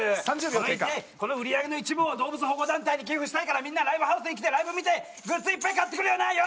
それでこの売り上げの一部を動物保護団体に寄付したいからみんなライブハウスに来てライブ見てグッズいっぱい買ってくれよな。